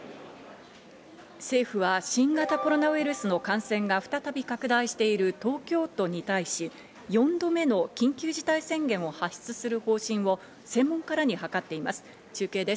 政府は新型コロナウイルスの感染が再び拡大している東京都に対し、４度目の緊急事態宣言を発出する方針を専門家らに諮っています。